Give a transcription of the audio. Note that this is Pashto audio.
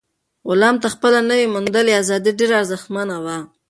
غلام ته خپله نوي موندلې ازادي ډېره ارزښتمنه وه.